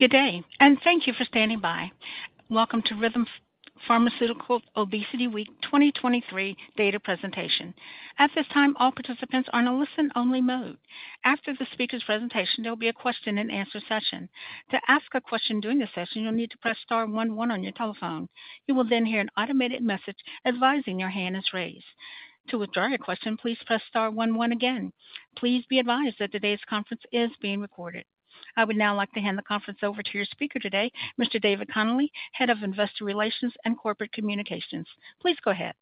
Good day, and thank you for standing by. Welcome to Rhythm Pharmaceuticals, Obesity Week 2023 data presentation. At this time, all participants are in a listen-only mode. After the speaker's presentation, there will be a question-and-answer session. To ask a question during the session, you'll need to press star one one on your telephone. You will then hear an automated message advising your hand is raised. To withdraw your question, please press star one one again. Please be advised that today's conference is being recorded. I would now like to hand the conference over to your speaker today, Mr. David Connolly, Head of Investor Relations and Corporate Communications. Please go ahead.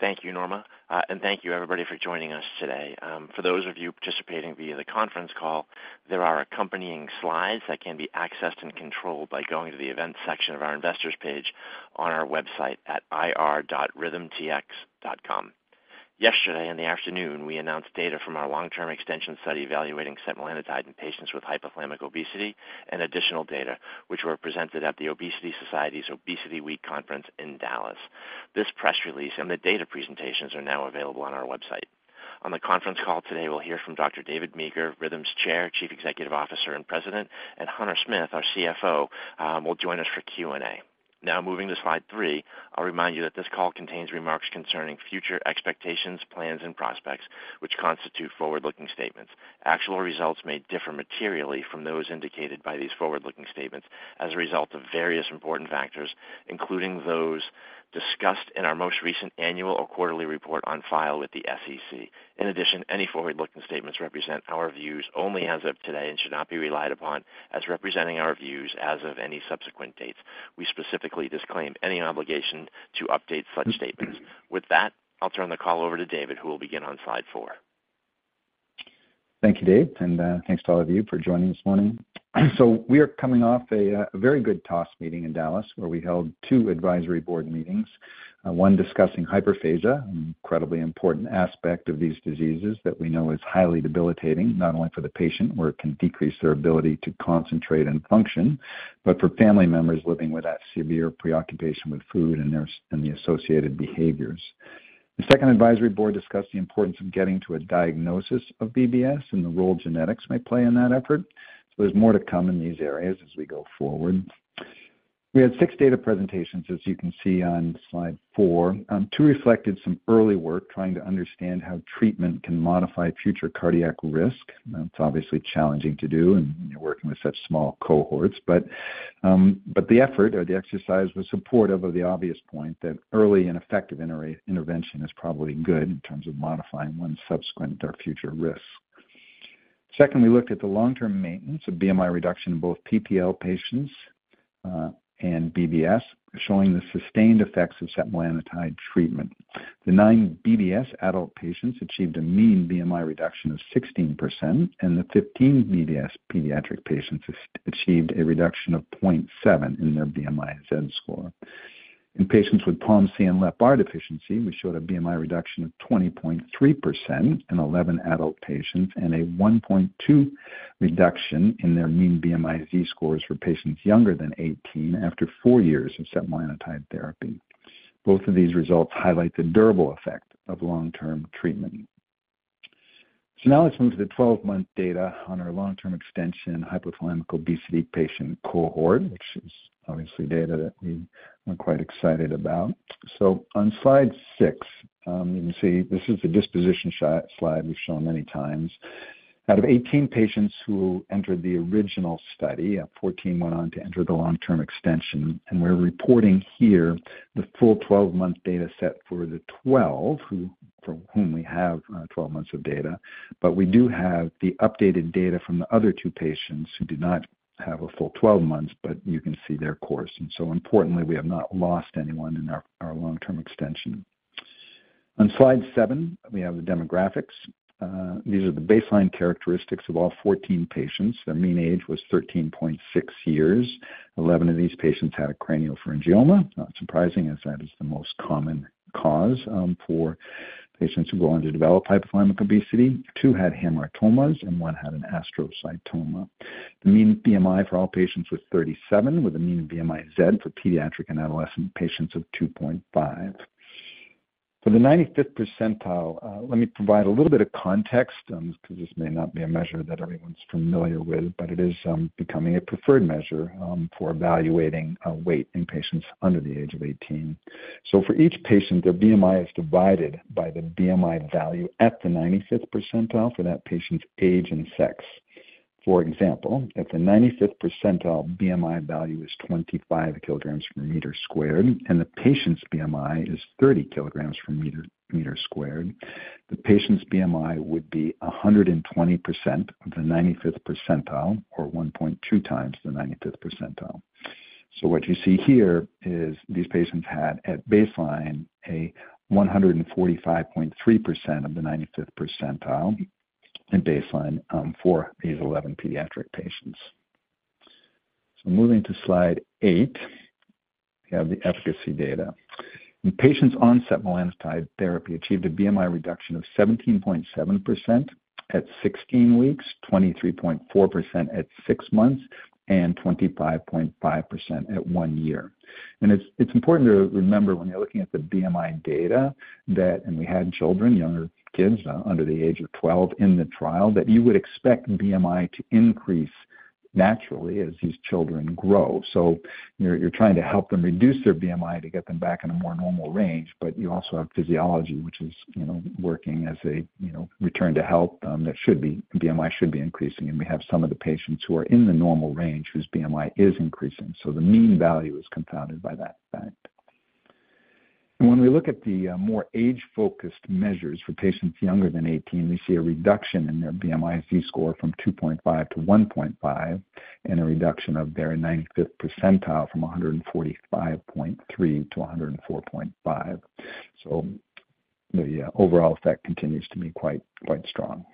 Thank you, Norma, and thank you everybody for joining us today. For those of you participating via the conference call, there are accompanying slides that can be accessed and controlled by going to the events section of our Investors page on our website at ir.rhythmpharma.com. Yesterday in the afternoon, we announced data from our long-term extension study evaluating setmelanotide in patients with hypothalamic obesity and additional data, which were presented at the Obesity Society's Obesity Week conference in Dallas. This press release and the data presentations are now available on our website. On the conference call today, we'll hear from Dr. David Meeker, Rhythm's Chair, Chief Executive Officer, and President, and Hunter Smith, our CFO, will join us for Q&A. Now, moving to slide three, I'll remind you that this call contains remarks concerning future expectations, plans, and prospects, which constitute forward-looking statements. Actual results may differ materially from those indicated by these forward-looking statements as a result of various important factors, including those discussed in our most recent annual or quarterly report on file with the SEC. In addition, any forward-looking statements represent our views only as of today and should not be relied upon as representing our views as of any subsequent dates. We specifically disclaim any obligation to update such statements. With that, I'll turn the call over to David, who will begin on slide four. Thank you, Dave, and thanks to all of you for joining this morning. So we are coming off a very good TOS meeting in Dallas, where we held two advisory board meetings. One discussing hyperphagia, an incredibly important aspect of these diseases that we know is highly debilitating, not only for the patient, where it can decrease their ability to concentrate and function, but for family members living with that severe preoccupation with food and the associated behaviors. The second advisory board discussed the importance of getting to a diagnosis of BBS and the role genetics might play in that effort. So there's more to come in these areas as we go forward. We had six data presentations, as you can see on slide four. Two reflected some early work trying to understand how treatment can modify future cardiac risk. That's obviously challenging to do, and when you're working with such small cohorts. But, but the effort or the exercise was supportive of the obvious point that early and effective intervention is probably good in terms of modifying one's subsequent or future risk. Second, we looked at the long-term maintenance of BMI reduction in both POMC patients and BBS, showing the sustained effects of setmelanotide treatment. The nine BBS adult patients achieved a mean BMI reduction of 16%, and the 15 BBS pediatric patients achieved a reduction of 0.7 in their BMI z-score. In patients with POMC and LEPR deficiency, we showed a BMI reduction of 20.3% in 11 adult patients and a 1.2 reduction in their mean BMI z-scores for patients younger than 18 after four years of setmelanotide therapy. Both of these results highlight the durable effect of long-term treatment. So now let's move to the 12-month data on our long-term extension hypothalamic obesity patient cohort, which is obviously data that we are quite excited about. So on slide six, you can see this is the disposition slide we've shown many times. Out of 18 patients who entered the original study, 14 went on to enter the long-term extension, and we're reporting here the full 12-month data set for the 12, who, from whom we have, 12 months of data. But we do have the updated data from the other two patients who do not have a full 12 months, but you can see their course. And so importantly, we have not lost anyone in our long-term extension. On slide seven, we have the demographics. These are the baseline characteristics of all 14 patients. Their mean age was 13.6 years. Eleven of these patients had a craniopharyngioma. Not surprising, as that is the most common cause for patients who go on to develop hypothalamic obesity. Two had hemangioblastomas and one had an astrocytoma. The mean BMI for all patients was 37, with a mean BMI z for pediatric and adolescent patients of 2.5. For the 95th percentile, let me provide a little bit of context, because this may not be a measure that everyone's familiar with, but it is becoming a preferred measure for evaluating weight in patients under the age of 18. So for each patient, their BMI is divided by the BMI value at the 95th percentile for that patient's age and sex. For example, if the 95th percentile BMI value is 25 kilograms per meter squared, and the patient's BMI is 30 kilograms per meter squared, the patient's BMI would be 120% of the 95th percentile or 1.2 times the 95th percentile. So what you see here is these patients had, at baseline, a 145.3% of the 95th percentile at baseline for these 11 pediatric patients. So moving to slide eight, we have the efficacy data. In patients on setmelanotide therapy achieved a BMI reduction of 17.7% at 16 weeks, 23.4% at 6 months, and 25.5% at one year. And it's important to remember when you're looking at the BMI data, that and we had children, younger kids under the age of 12 in the trial, that you would expect BMI to increase naturally as these children grow. So you're trying to help them reduce their BMI to get them back in a more normal range. But you also have physiology, which is, you know, working as a, you know, return to health. That should be, BMI should be increasing, and we have some of the patients who are in the normal range whose BMI is increasing. So the mean value is confounded by that fact. When we look at the more age-focused measures for patients younger than 18, we see a reduction in their BMI z-score from 2.5 to 1.5, and a reduction of their ninety-fifth percentile from 145.3 to 104.5. So the overall effect continues to be quite, quite strong.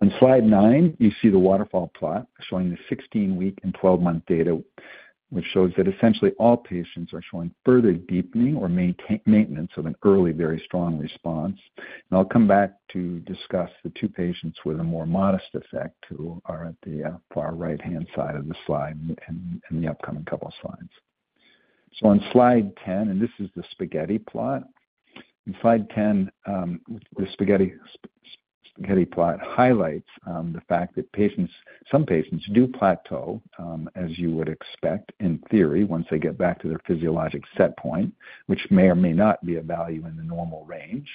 On slide nine, you see the waterfall plot showing the 16-week and 12-month data, which shows that essentially all patients are showing further deepening or maintenance of an early, very strong response. And I'll come back to discuss the two patients with a more modest effect, who are at the far right-hand side of the slide in the upcoming couple of slides. So on slide 10, and this is the spaghetti plot. In slide 10, the spaghetti plot highlights the fact that patients, some patients do plateau, as you would expect in theory, once they get back to their physiologic set point, which may or may not be a value in the normal range.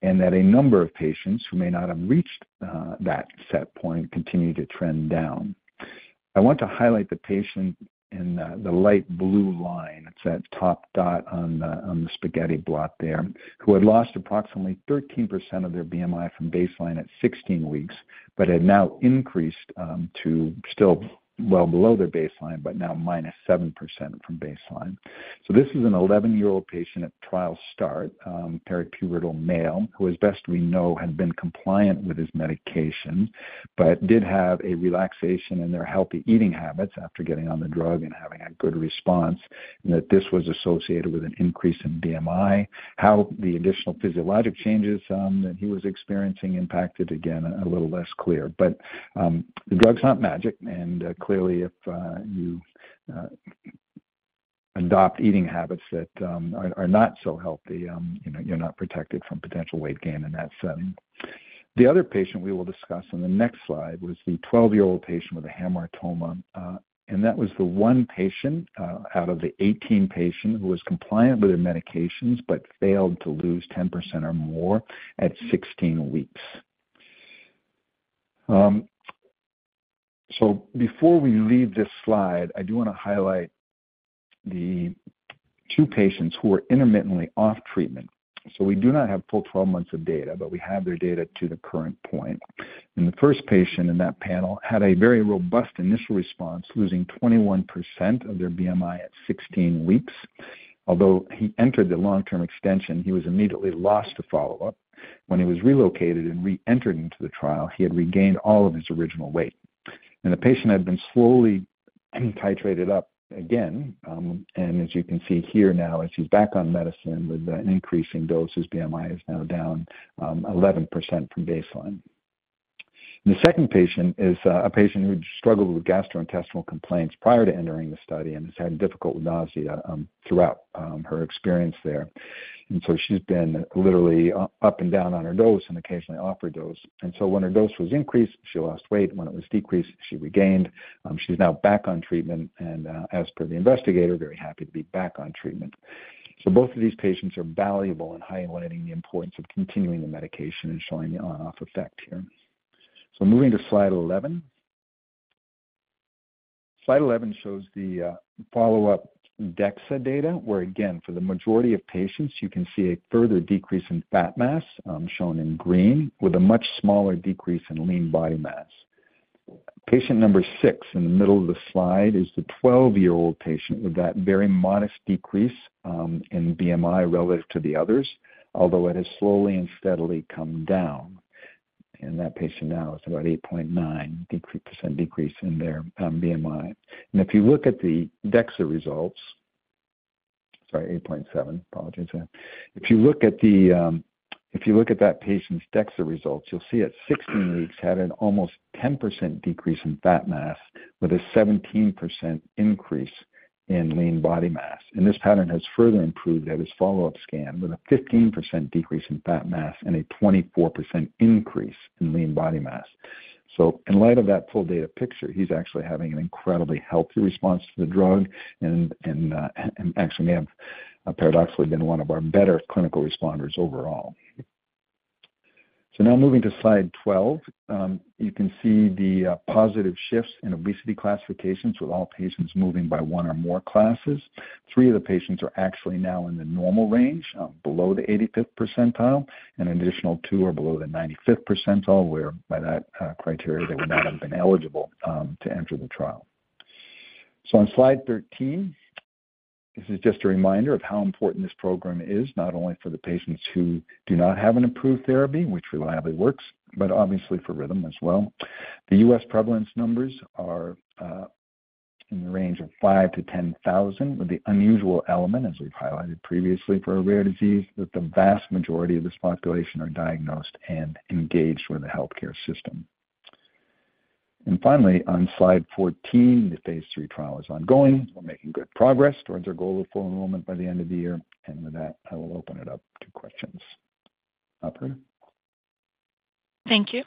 That a number of patients who may not have reached that set point continue to trend down. I want to highlight the patient in the light blue line. It's that top dot on the spaghetti plot there, who had lost approximately 13% of their BMI from baseline at 16 weeks, but had now increased to still well below their baseline, but now minus 7% from baseline. So this is an 11-year-old patient at trial start, peripubertal male, who as best we know, had been compliant with his medication, but did have a relaxation in their healthy eating habits after getting on the drug and having a good response, and that this was associated with an increase in BMI. How the additional physiologic changes that he was experiencing impacted, again, a little less clear. But, the drug's not magic, and, clearly if you adopt eating habits that are not so healthy, you know, you're not protected from potential weight gain in that setting. The other patient we will discuss on the next slide was the 12-year-old patient with a hamartoma. And that was the one patient out of the 18 patients who was compliant with their medications but failed to lose 10% or more at 16 weeks. So before we leave this slide, I do want to highlight the two patients who are intermittently off treatment. So we do not have full 12 months of data, but we have their data to the current point. And the first patient in that panel had a very robust initial response, losing 21% of their BMI at 16 weeks. Although he entered the long-term extension, he was immediately lost to follow-up. When he was relocated and reentered into the trial, he had regained all of his original weight. The patient had been slowly titrated up again, and as you can see here now, as he's back on medicine with an increase in dose, his BMI is now down 11% from baseline. The second patient is a patient who'd struggled with gastrointestinal complaints prior to entering the study and has had difficulty with nausea throughout her experience there. And so she's been literally up and down on her dose and occasionally off her dose. And so when her dose was increased, she lost weight. When it was decreased, she regained. She's now back on treatment and, as per the investigator, very happy to be back on treatment. So both of these patients are valuable in highlighting the importance of continuing the medication and showing the on-off effect here. So moving to slide 11. Slide 11 shows the follow-up DEXA data, where again, for the majority of patients, you can see a further decrease in fat mass, shown in green, with a much smaller decrease in lean body mass. Patient number six, in the middle of the slide, is the 12-year-old patient with that very modest decrease in BMI relative to the others, although it has slowly and steadily come down. And that patient now is about 8.9% decrease in their BMI. And if you look at the DEXA results. Sorry, 8.7. Apologize for that. If you look at that patient's DEXA results, you'll see at 16 weeks, had an almost 10% decrease in fat mass, with a 17% increase in lean body mass. This pattern has further improved at his follow-up scan, with a 15% decrease in fat mass and a 24% increase in lean body mass. So in light of that full data picture, he's actually having an incredibly healthy response to the drug and actually may have, paradoxically, been one of our better clinical responders overall. So now moving to slide 12. You can see the positive shifts in obesity classifications, with all patients moving by one or more classes. Three of the patients are actually now in the normal range, below the 85th percentile, and an additional two are below the 95th percentile, whereby that criteria, they would not have been eligible to enter the trial. So on slide 13, this is just a reminder of how important this program is, not only for the patients who do not have an approved therapy, which reliably works, but obviously for Rhythm as well. The U.S. prevalence numbers are in the range of 5,000-10,000, with the unusual element, as we've highlighted previously, for a rare disease, that the vast majority of this population are diagnosed and engaged with the healthcare system. And finally, on slide 14, the phase III trial is ongoing. We're making good progress towards our goal of full enrollment by the end of the year. And with that, I will open it up to questions. Thank you.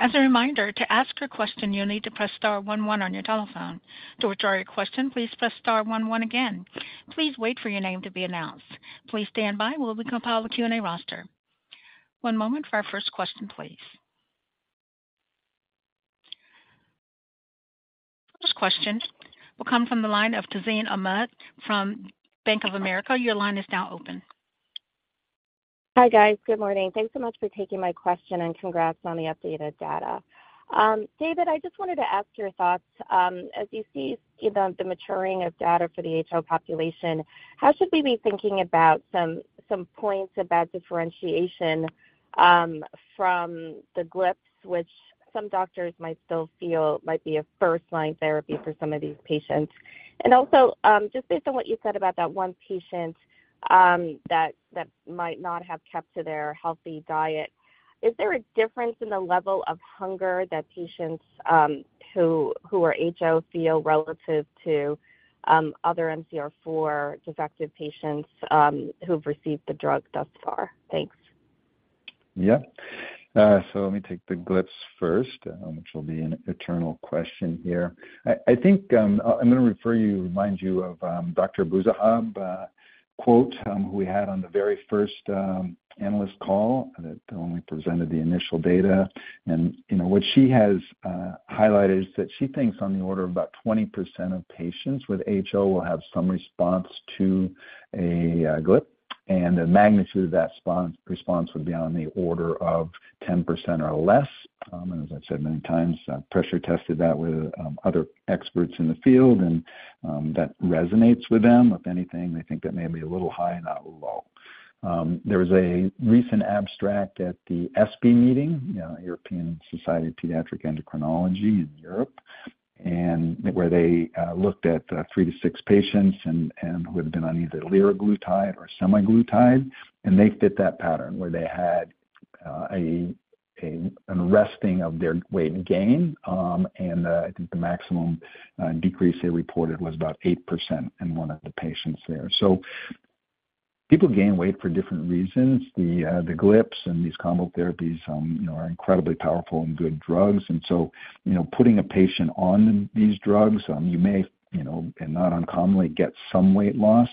As a reminder, to ask a question, you'll need to press star one one on your telephone. To withdraw your question, please press star one one again. Please wait for your name to be announced. Please stand by while we compile a Q&A roster. One moment for our first question, please. First question will come from the line of Tazeen Ahmad from Bank of America. Your line is now open. Hi, guys. Good morning. Thanks so much for taking my question, and congrats on the updated data. David, I just wanted to ask your thoughts. As you see, you know, the maturing of data for the HO population, how should we be thinking about some points about differentiation from the GLPs, which some doctors might still feel might be a first-line therapy for some of these patients? And also, just based on what you said about that one patient that might not have kept to their healthy diet, is there a difference in the level of hunger that patients who are HO feel relative to other MC4 defective patients who've received the drug thus far? Thanks. Yeah. So let me take the GLPs first, which will be an eternal question here. I think I'm gonna refer you, remind you of Dr. Abuzzahab quote, who we had on the very first analyst call that when we presented the initial data. And, you know, what she has highlighted is that she thinks on the order of about 20% of patients with HO will have some response to a GLP. And the magnitude of that response would be on the order of 10% or less. And as I've said many times, pressure tested that with other experts in the field, and that resonates with them. If anything, they think that may be a little high, not low. There was a recent abstract at the ESPE meeting, you know, European Society of Pediatric Endocrinology in Europe, and where they looked at three to six patients and who had been on either liraglutide or semaglutide. And they fit that pattern, where they had an arresting of their weight gain. I think the maximum decrease they reported was about 8% in one of the patients there. So people gain weight for different reasons. The GLPs and these combo therapies, you know, are incredibly powerful and good drugs. And so, you know, putting a patient on these drugs, you may, you know, and not uncommonly, get some weight loss.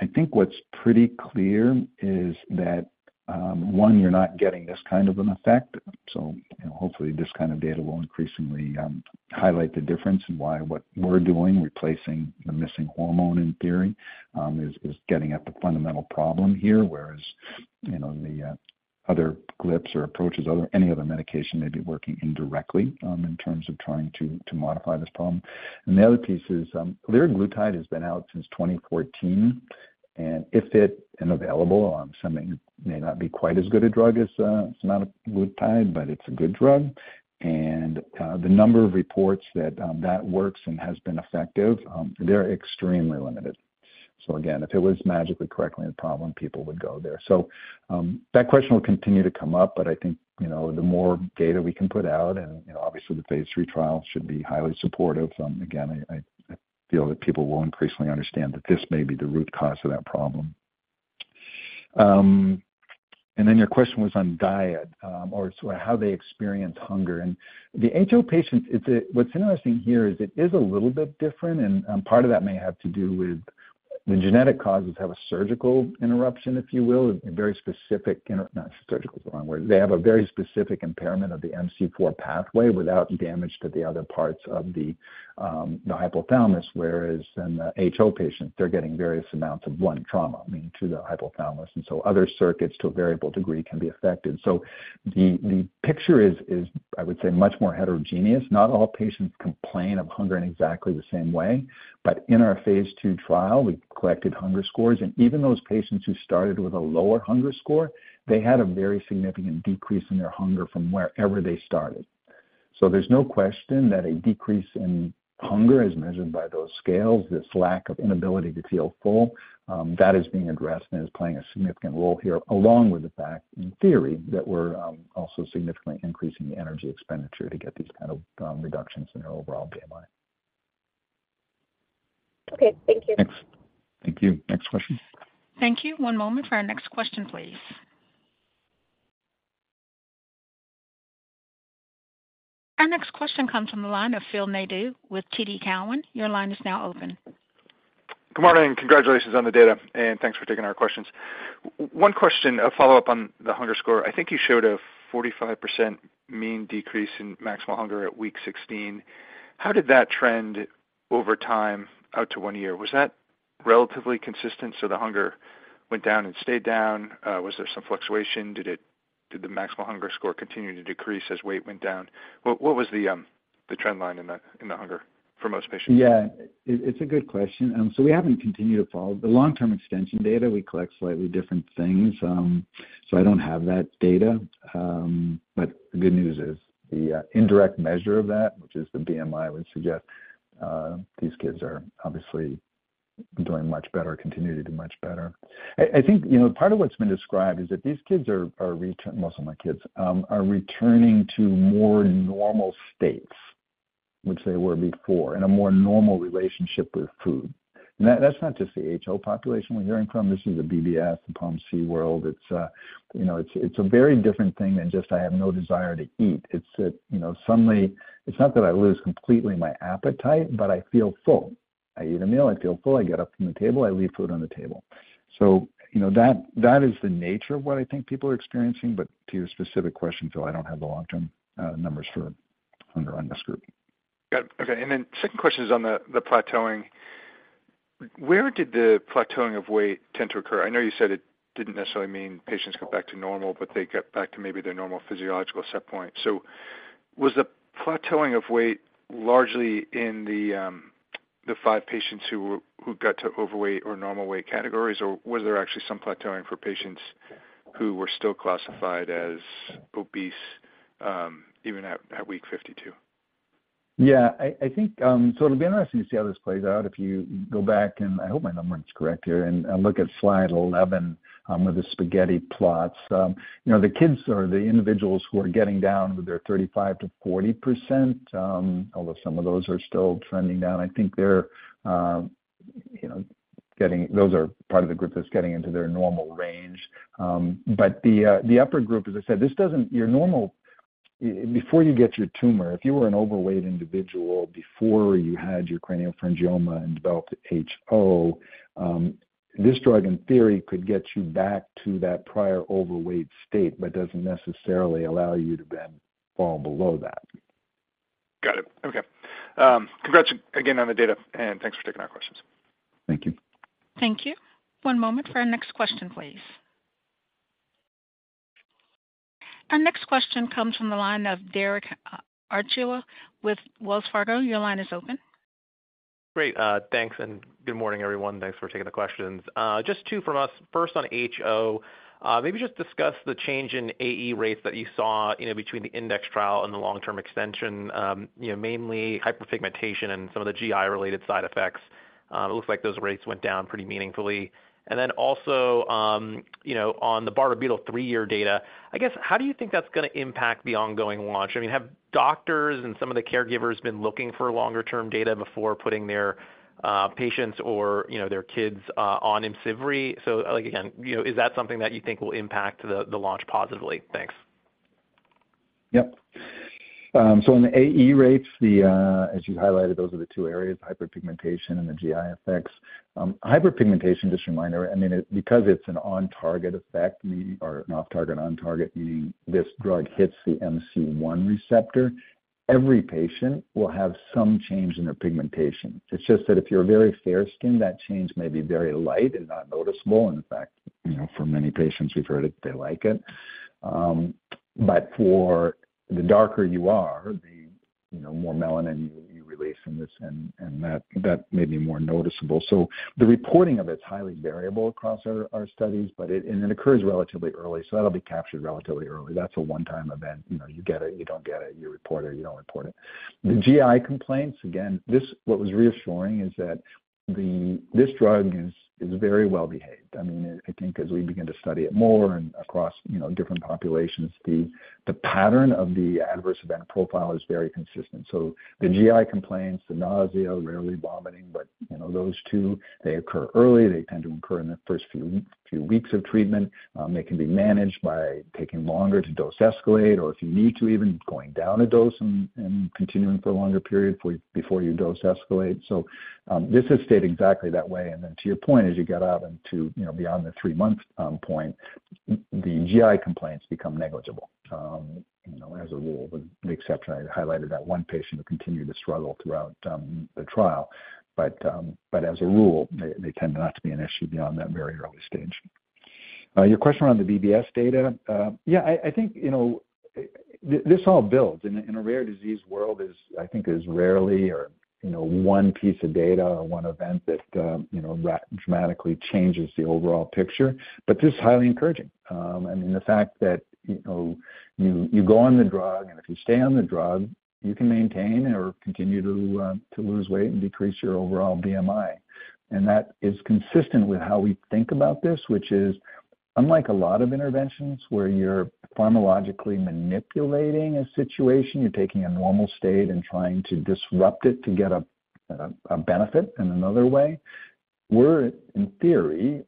I think what's pretty clear is that one, you're not getting this kind of an effect. So, you know, hopefully this kind of data will increasingly highlight the difference in why what we're doing, replacing the missing hormone, in theory, is getting at the fundamental problem here. Whereas, you know, the other GLPs or approaches, any other medication may be working indirectly in terms of trying to modify this problem. And the other piece is, liraglutide has been out since 2014, and it's available, some may not be quite as good a drug as semaglutide, but it's a good drug. And the number of reports that that works and has been effective, they're extremely limited. So again, if it was magically correcting the problem, people would go there. So, that question will continue to come up, but I think, you know, the more data we can put out, and, you know, obviously the phase III trial should be highly supportive. Again, I feel that people will increasingly understand that this may be the root cause of that problem. And then your question was on diet, or sort of how they experience hunger. And the HO patients, what's interesting here is it is a little bit different, and part of that may have to do with the genetic causes, have a surgical interruption, if you will, a very specific, no, surgical is the wrong word. They have a very specific impairment of the MC4 pathway without damage to the other parts of the hypothalamus. Whereas in the HO patient, they're getting various amounts of one trauma, I mean, to the hypothalamus, and so other circuits, to a variable degree, can be affected. So the picture is, I would say, much more heterogeneous. Not all patients complain of hunger in exactly the same way. But in our phase II trial, we collected hunger scores, and even those patients who started with a lower hunger score, they had a very significant decrease in their hunger from wherever they started. So there's no question that a decrease in hunger, as measured by those scales, this lack of inability to feel full, that is being addressed and is playing a significant role here, along with the fact, in theory, that we're also significantly increasing the energy expenditure to get these kind of reductions in their overall BMI. Okay. Thank you. Thanks. Thank you. Next question? Thank you. One moment for our next question, please. Our next question comes from the line of Phil Nadeau with TD Cowen. Your line is now open. Good morning, and congratulations on the data, and thanks for taking our questions. One question, a follow-up on the hunger score. I think you showed a 45% mean decrease in maximal hunger at week 16. How did that trend over time out to one year? Was that relatively consistent, so the hunger went down and stayed down? Was there some fluctuation? Did the maximal hunger score continue to decrease as weight went down? What was the trend line in the hunger for most patients? Yeah, it's a good question. So we haven't continued to follow the long-term extension data. We collect slightly different things, so I don't have that data. But the good news is, the indirect measure of that, which is the BMI, would suggest these kids are obviously doing much better, continue to do much better. I think, you know, part of what's been described is that these kids are returning—most of my kids are returning to more normal states which they were before, in a more normal relationship with food. And that's not just the HO population we're hearing from. This is the BBS, the POMC world. You know, it's a very different thing than just I have no desire to eat. It's that, you know, suddenly, it's not that I lose completely my appetite, but I feel full. I eat a meal, I feel full, I get up from the table, I leave food on the table. So, you know, that, that is the nature of what I think people are experiencing. But to your specific question, Phil, I don't have the long-term numbers for under on this group. Got it. Okay, and then second question is on the plateauing. Where did the plateauing of weight tend to occur? I know you said it didn't necessarily mean patients go back to normal, but they get back to maybe their normal physiological set point. So was the plateauing of weight largely in the five patients who got to overweight or normal weight categories? Or was there actually some plateauing for patients who were still classified as obese, even at week 52? Yeah, I think, so it'll be interesting to see how this plays out. If you go back, and I hope my number is correct here, and look at slide 11, with the spaghetti plots. You know, the kids or the individuals who are getting down with their 35%-40%, although some of those are still trending down, I think they're, you know, getting—those are part of the group that's getting into their normal range. But the upper group, as I said, this doesn't... Your normal—Before you get your tumor, if you were an overweight individual before you had your craniopharyngioma and developed HO, this drug, in theory, could get you back to that prior overweight state, but doesn't necessarily allow you to then fall below that. Got it. Okay. Congrats again on the data, and thanks for taking our questions. Thank you. Thank you. One moment for our next question, please. Our next question comes from the line of Derek Archila with Wells Fargo. Your line is open. Great. Thanks, and good morning, everyone. Thanks for taking the questions. Just two from us. First on HO, maybe just discuss the change in AE rates that you saw, you know, between the index trial and the long-term extension. You know, mainly hyperpigmentation and some of the GI-related side effects. It looks like those rates went down pretty meaningfully. And then also, you know, on the Bardet-Biedl three-year data, I guess, how do you think that's gonna impact the ongoing launch? I mean, have doctors and some of the caregivers been looking for longer-term data before putting their patients or, you know, their kids on Imcivree? So again, you know, is that something that you think will impact the launch positively? Thanks. Yep. So in the AE rates, the, as you highlighted, those are the two areas, hyperpigmentation and the GI effects. Hyperpigmentation, just a reminder, I mean, it- because it's an on-target effect, meaning- or an off-target, on-target, meaning this drug hits the MC1 receptor, every patient will have some change in their pigmentation. It's just that if you're very fair-skinned, that change may be very light and not noticeable. In fact, you know, for many patients we've heard it, they like it. But for the darker you are, the, you know, more melanin you release in this, and, and that, that may be more noticeable. So the reporting of it's highly variable across our, our studies, but it, and it occurs relatively early, so that'll be captured relatively early. That's a one-time event. You know, you get it, you don't get it, you report it, you don't report it. The GI complaints, again, what was reassuring is that this drug is very well behaved. I mean, I think as we begin to study it more and across, you know, different populations, the pattern of the adverse event profile is very consistent. So the GI complaints, the nausea, rarely vomiting, but, you know, those two, they occur early. They tend to occur in the first few weeks of treatment. They can be managed by taking longer to dose escalate, or if you need to, even going down a dose and continuing for a longer period before you dose escalate. So, this has stayed exactly that way. And then to your point, as you get out into, you know, beyond the three-month point, the GI complaints become negligible. You know, as a rule, with the exception, I highlighted that one patient who continued to struggle throughout the trial. But as a rule, they tend not to be an issue beyond that very early stage. Your question around the BBS data. Yeah, I think, you know, this all builds. In a rare disease world, I think, is rarely one piece of data or one event that, you know, dramatically changes the overall picture, but this is highly encouraging. And the fact that, you know, you go on the drug, and if you stay on the drug, you can maintain or continue to lose weight and decrease your overall BMI. And that is consistent with how we think about this, which is unlike a lot of interventions where you're pharmacologically manipulating a situation, you're taking a normal state and trying to disrupt it to get a benefit in another way. We're, in theory,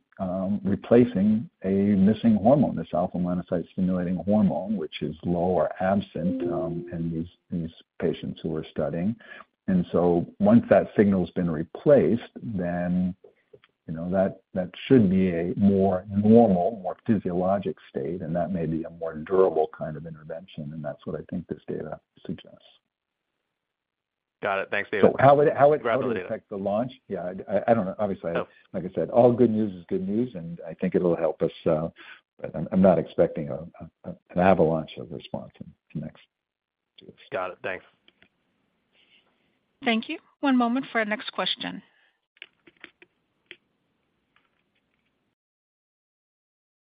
replacing a missing hormone, this alpha melanocyte-stimulating hormone, which is low or absent in these patients who we're studying. And so once that signal's been replaced, then, you know, that should be a more normal, more physiologic state, and that may be a more durable kind of intervention, and that's what I think this data suggests. Got it. Thanks, David. So how would it affect the launch? Yeah, I, I don't know. Congrats on the data. Obviously like I said, all good news is good news, and I think it'll help us, but I'm not expecting an avalanche of response in the next two weeks. No. Got it. Thanks. Thank you. One moment for our next question.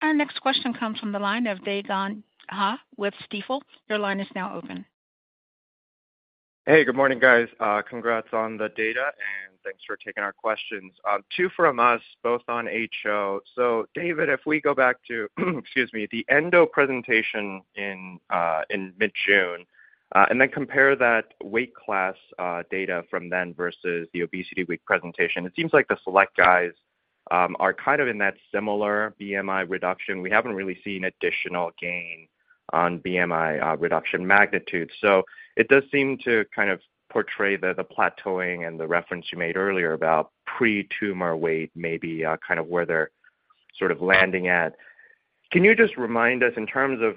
Our next question comes from the line of Dae Gon Ha with Stifel. Your line is now open. Hey, good morning, guys. Congrats on the data, and thanks for taking our questions. Two from us, both on HO. So David, if we go back to, excuse me, the Endo presentation in mid-June, and then compare that weight class data from then versus the Obesity Week presentation, it seems like the select guys are kind of in that similar BMI reduction. We haven't really seen additional gain on BMI reduction magnitude. So it does seem to kind of portray the plateauing and the reference you made earlier about pre-tumor weight may be kind of where they're sort of landing at. Can you just remind us, in terms of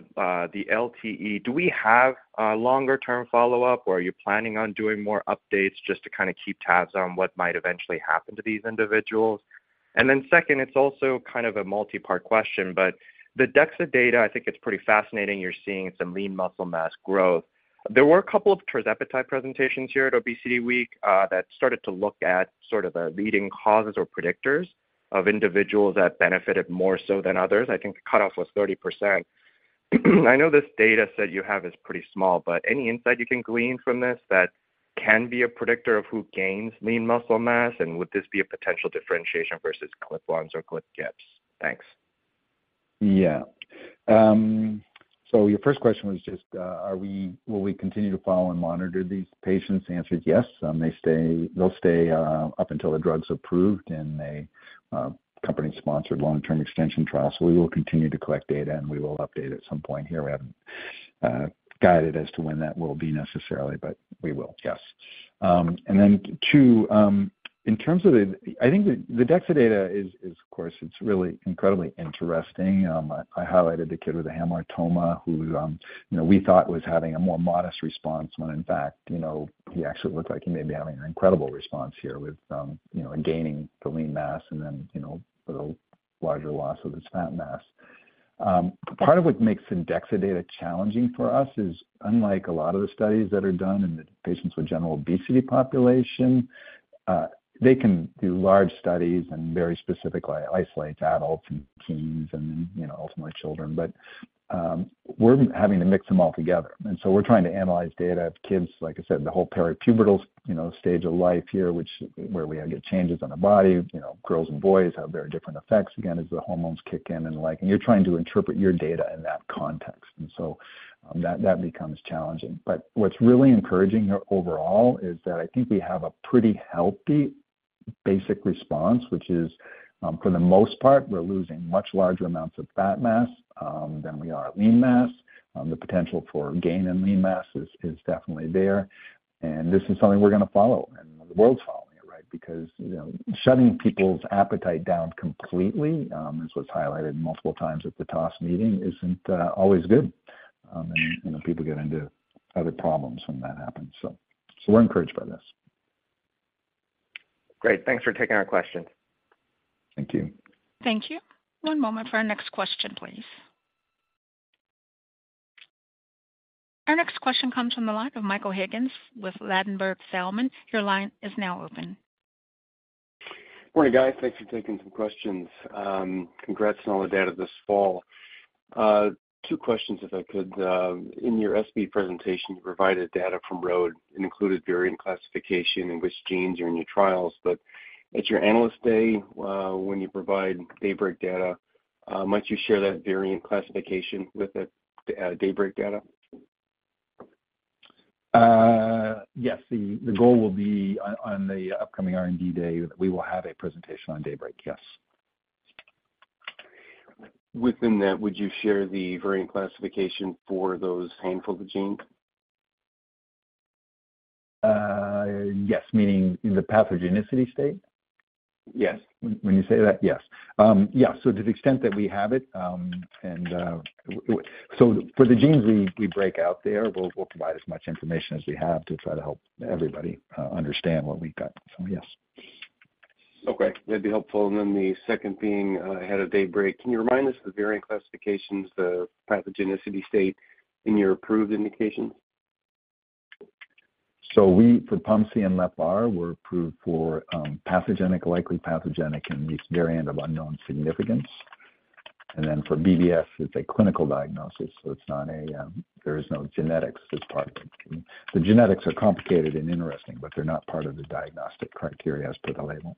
the LTE, do we have a longer-term follow-up, or are you planning on doing more updates just to kind of keep tabs on what might eventually happen to these individuals? Second, it's also kind of a multi-part question, but the DEXA data, I think it's pretty fascinating, you're seeing some lean muscle mass growth. There were a couple of tirzepatide presentations here at Obesity Week that started to look at sort of the leading causes or predictors of individuals that benefited more so than others. I think the cutoff was 30%. I know this data set you have is pretty small, but any insight you can glean from this that can be a predictor of who gains lean muscle mass? And would this be a potential differentiation versus GLP-1s? Thanks. Yeah. So your first question was just, will we continue to follow and monitor these patients? The answer is yes. They'll stay up until the drug's approved in a company-sponsored long-term extension trial. So we will continue to collect data, and we will update at some point here. We haven't guided as to when that will be necessarily, but we will, yes. And then two, in terms of the... I think the DEXA data is, of course, it's really incredibly interesting. I highlighted the kid with the hemangioblastoma, who, you know, we thought was having a more modest response, when in fact, you know, he actually looked like he may be having an incredible response here with, you know, and gaining the lean mass and then, you know, a little larger loss of his fat mass. Part of what makes the DEXA data challenging for us is, unlike a lot of the studies that are done in the patients with general obesity population, they can do large studies and very specifically isolate to adults and teens and, you know, ultimately children. But, we're having to mix them all together. And so we're trying to analyze data of kids, like I said, the whole peripubertal, you know, stage of life here, where we get changes in the body. You know, girls and boys have very different effects, again, as the hormones kick in and the like, and you're trying to interpret your data in that context. And so, that becomes challenging. But what's really encouraging here overall is that I think we have a pretty healthy basic response, which is, for the most part, we're losing much larger amounts of fat mass, than we are lean mass. The potential for gain in lean mass is definitely there, and this is something we're gonna follow, and the world's following it, right? Because, you know, shutting people's appetite down completely, is what's highlighted multiple times at the TOS meeting, isn't always good. And, you know, people get into other problems when that happens. So we're encouraged by this. Great. Thanks for taking our questions. Thank you. Thank you. One moment for our next question, please. Our next question comes from the line of Michael Higgins with Ladenburg Thalmann. Your line is now open. Good morning, guys. Thanks for taking some questions. Congrats on all the data this fall. Two questions, if I could. In your ESPE presentation, you provided data from Roth and included variant classification in which genes are in your trials. But at your Analyst Day, when you provide Daybreak data, might you share that variant classification with the Daybreak data? Yes, the goal will be on the upcoming R&D Day. We will have a presentation on Daybreak, yes. Within that, would you share the variant classification for those handful of genes? Yes. Meaning in the pathogenicity state? Yes. When you say that, yes. Yeah, so to the extent that we have it, and, so for the genes we, we break out there, we'll, we'll provide as much information as we have to try to help everybody, understand what we've got. So yes. Okay, that'd be helpful. And then the second being, ahead of Daybreak, can you remind us the variant classifications, the pathogenicity state in your approved indications? So we, for POMC and LEPR, we're approved for, pathogenic, likely pathogenic, and the variant of unknown significance. And then for BBS, it's a clinical diagnosis, so it's not a, there is no genetics as part of it. The genetics are complicated and interesting, but they're not part of the diagnostic criteria as per the label.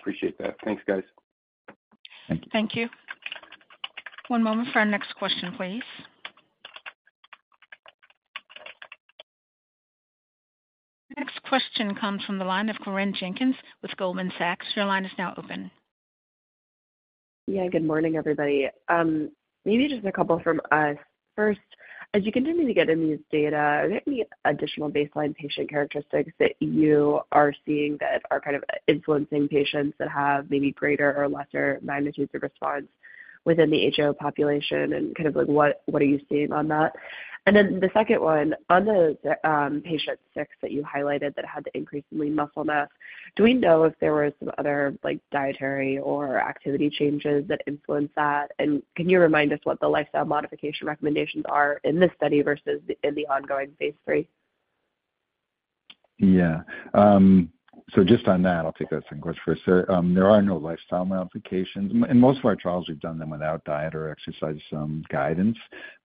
Appreciate that. Thanks, guys. Thank you. Thank you. One moment for our next question, please. Next question comes from the line of Corinne Jenkins with Goldman Sachs. Your line is now open. Yeah, good morning, everybody. Maybe just a couple from us. First, as you continue to get in these data, are there any additional baseline patient characteristics that you are seeing that are kind of influencing patients that have maybe greater or lesser magnitudes of response within the HO population? And kind of like, what are you seeing on that? And then the second one, on the patient six that you highlighted that had the increased lean muscle mass, do we know if there were some other, like, dietary or activity changes that influenced that? And can you remind us what the lifestyle modification recommendations are in this study versus in the ongoing phase III? Yeah. So just on that, I'll take that second question first. There are no lifestyle modifications. In most of our trials, we've done them without diet or exercise guidance.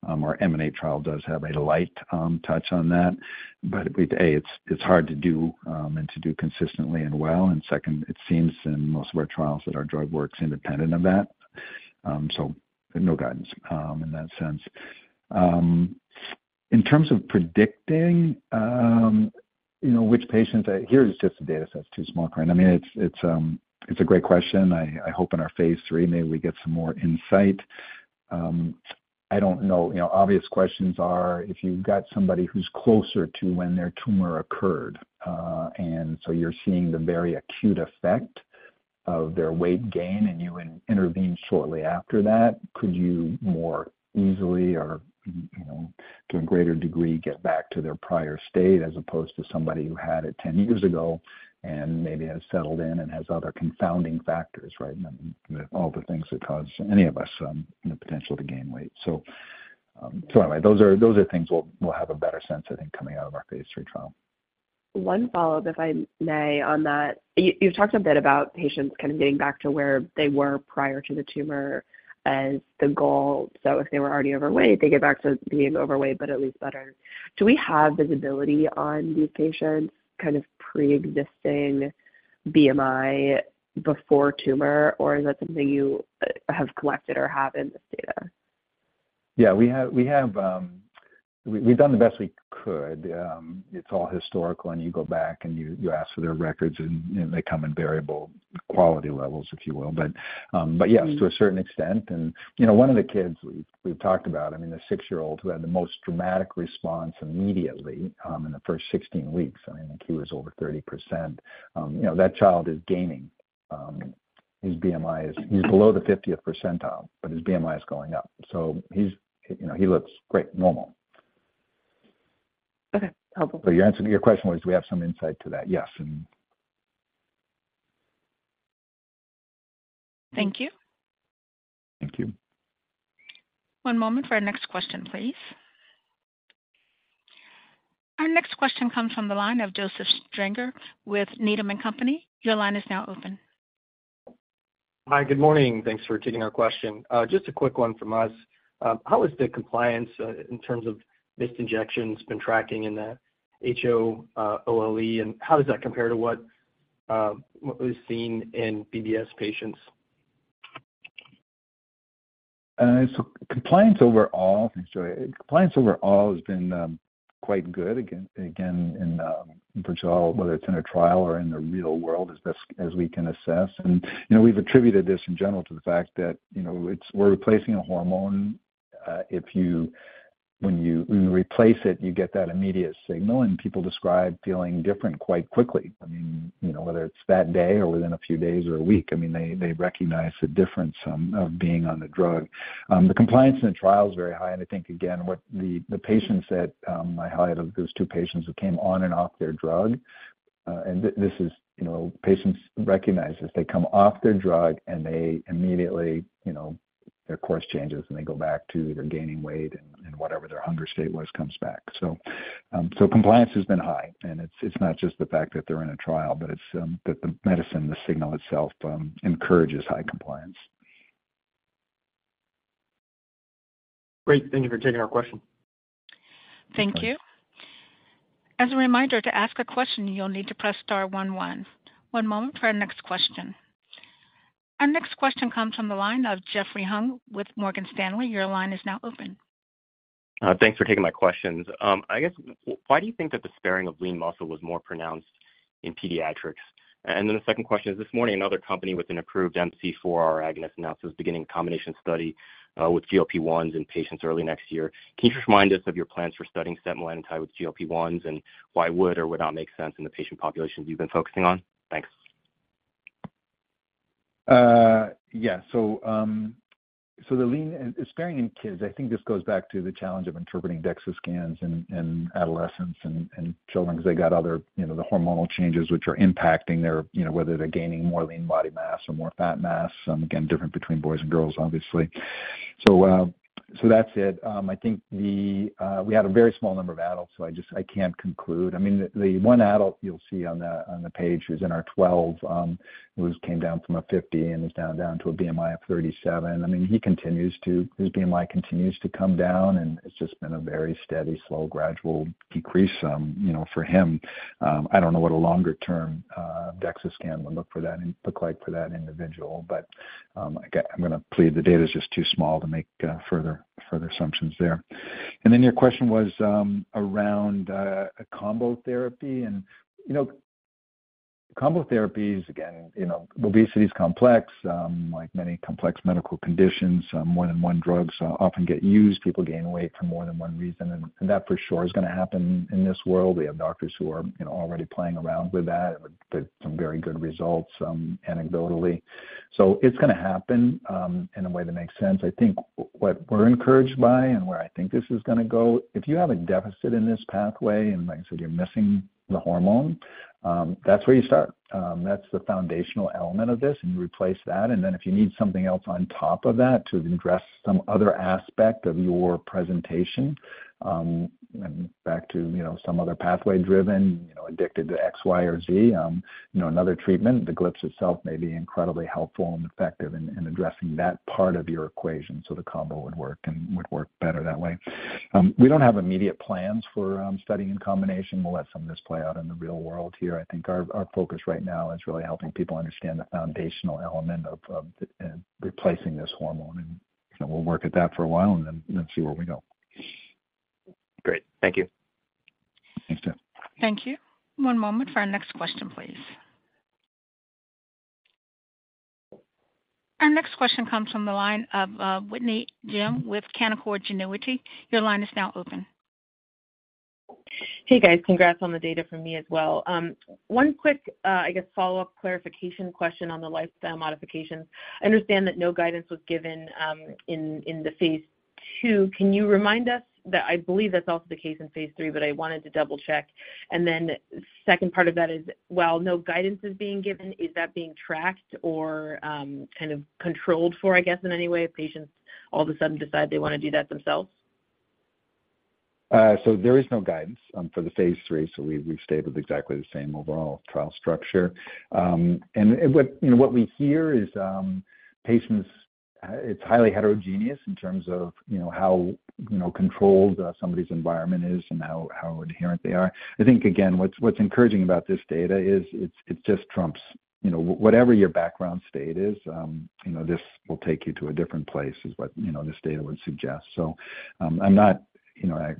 Our EMANATE trial does have a light touch on that, but it's hard to do and to do consistently and well. And second, it seems in most of our trials that our drug works independent of that. So no guidance in that sense. In terms of predicting, you know, which patients, here, it's just the data set's too small, right? I mean, it's a great question. I hope in our phase three, maybe we get some more insight. I don't know. You know, obvious questions are, if you've got somebody who's closer to when their tumor occurred, and so you're seeing the very acute effect of their weight gain, and you intervene shortly after that, could you more easily or, you know, to a greater degree, get back to their prior state as opposed to somebody who had it 10 years ago and maybe has settled in and has other confounding factors, right? All the things that cause any of us, the potential to gain weight. So, so anyway, those are, those are things we'll, we'll have a better sense, I think, coming out of our phase III trial. One follow-up, if I may, on that. You, you've talked a bit about patients kind of getting back to where they were prior to the tumor as the goal. So if they were already overweight, they get back to being overweight, but at least better. Do we have visibility on these patients, kind of pre-existing BMI before tumor? Or is that something you, have collected or have in this data? Yeah, we've done the best we could. It's all historical, and you go back and ask for their records, and they come in variable quality levels, if you will. But yes, to a certain extent. You know, one of the kids we've talked about, I mean, the six-year-old who had the most dramatic response immediately in the first 16 weeks, I mean, I think he was over 30%. You know, that child is gaining. His BMI is... He's below the 50th percentile, but his BMI is going up, so he's, you know, he looks great, normal. Okay, helpful. So your answer to your question was, do we have some insight to that? Yes. Thank you. Thank you. One moment for our next question, please. Our next question comes from the line of Joseph Stringer with Needham & Company. Your line is now open. Hi, good morning. Thanks for taking our question. Just a quick one from us. How has the compliance, in terms of missed injections, been tracking in the HO, OLE, and how does that compare to what was seen in BBS patients? So compliance overall, thanks, Joe. Compliance overall has been quite good. Again, in virtual, whether it's in a trial or in the real world, as best as we can assess. And, you know, we've attributed this in general to the fact that, you know, it's we're replacing a hormone. If you, when you replace it, you get that immediate signal, and people describe feeling different quite quickly. I mean, you know, whether it's that day or within a few days or a week, I mean, they recognize the difference of being on the drug. The compliance in the trial is very high. And I think, again, what the patients that I highlighted, those two patients who came on and off their drug, and this is, you know, patients recognize this. They come off their drug, and they immediately, you know, their course changes, and they go back to they're gaining weight and whatever their hunger state was, comes back. So, compliance has been high, and it's not just the fact that they're in a trial, but it's that the medicine, the signal itself, encourages high compliance. Great. Thank you for taking our question. Thank you. As a reminder, to ask a question, you'll need to press star one, one. One moment for our next question. Our next question comes from the line of Jeffrey Hung with Morgan Stanley. Your line is now open. Thanks for taking my questions. I guess, why do you think that the sparing of lean muscle was more pronounced in pediatrics? And then the second question is, this morning, another company with an approved MC4R agonist announced it was beginning a combination study, with GLP-1 in patients early next year. Can you just remind us of your plans for studying setmelanotide with GLP-1, and why would or would not make sense in the patient populations you've been focusing on? Thanks. Yeah. So, the lean and sparing in kids, I think this goes back to the challenge of interpreting DEXA scans in adolescents and children, because they got other, you know, the hormonal changes which are impacting their, you know, whether they're gaining more lean body mass or more fat mass. Again, different between boys and girls, obviously. So, that's it. I think. We had a very small number of adults, so I just, I can't conclude. I mean, the one adult you'll see on the page, who's in our 12, who came down from a 50 and is now down to a BMI of 37. I mean, he continues to, his BMI continues to come down, and it's just been a very steady, slow, gradual decrease, you know, for him. I don't know what a longer-term DEXA scan would look like for that individual, but again, I'm going to plead the data is just too small to make further assumptions there. And then your question was around a combo therapy. And, you know, combo therapies, again, you know, obesity is complex. Like many complex medical conditions, more than one drugs often get used. People gain weight for more than one reason, and that for sure is going to happen in this world. We have doctors who are, you know, already playing around with that. There's some very good results anecdotally. So it's gonna happen in a way that makes sense. I think what we're encouraged by and where I think this is gonna go, if you have a deficit in this pathway, and like I said, you're missing the hormone, that's where you start. That's the foundational element of this, and you replace that, and then if you need something else on top of that to address some other aspect of your presentation, back to, you know, some other pathway driven, you know, addicted to X, Y, or Z, you know, another treatment, the GLP itself may be incredibly helpful and effective in addressing that part of your equation. So the combo would work and would work better that way. We don't have immediate plans for studying in combination. We'll let some of this play out in the real world here. I think our focus right now is really helping people understand the foundational element of replacing this hormone, and we'll work at that for a while and then see where we go. Great. Thank you. Thanks, Tim. Thank you. One moment for our next question, please. Our next question comes from the line of Whitney Ijem with Canaccord Genuity. Your line is now open. Hey, guys. Congrats on the data from me as well. One quick, I guess, follow-up clarification question on the lifestyle modifications. I understand that no guidance was given in the phase II. Can you remind us that I believe that's also the case in phase III, but I wanted to double-check. And then second part of that is, while no guidance is being given, is that being tracked or kind of controlled for, I guess, in any way, if patients all of a sudden decide they want to do that themselves? So there is no guidance for the phase III, so we, we've stayed with exactly the same overall trial structure. And what you know, what we hear is, patients, it's highly heterogeneous in terms of, you know, how, you know, controlled, somebody's environment is and how, how adherent they are. I think, again, what's encouraging about this data is it's, it just trumps, you know, whatever your background state is, you know, this will take you to a different place, is what you know, this data would suggest. So, I'm not, you know,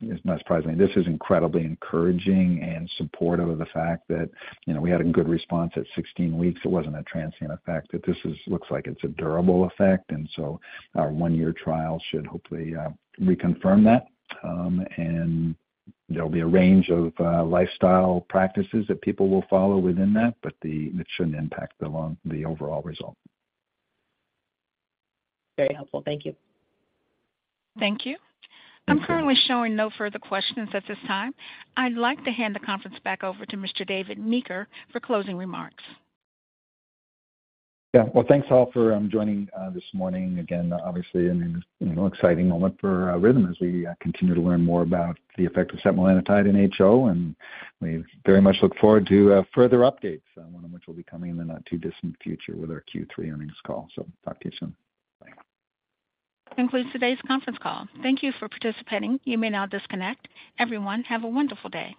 it's not surprising. This is incredibly encouraging and supportive of the fact that, you know, we had a good response at 16 weeks. It wasn't a transient effect, that this is looks like it's a durable effect, and so our one-year trial should hopefully reconfirm that. And there'll be a range of lifestyle practices that people will follow within that, but it shouldn't impact the overall result. Very helpful. Thank you. Thank you. I'm currently showing no further questions at this time. I'd like to hand the conference back over to Mr. David Meeker for closing remarks. Yeah. Well, thanks all for joining this morning. Again, obviously, you know, exciting moment for Rhythm as we continue to learn more about the effect of setmelanotide in HO, and we very much look forward to further updates, one of which will be coming in the not too distant future with our Q3 earnings call. So talk to you soon. Bye. That concludes today's conference call. Thank you for participating. You may now disconnect. Everyone, have a wonderful day.